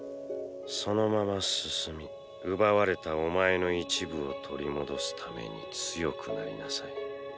そのまま進み奪われたお前の一部を取り戻すために強くなりなさい。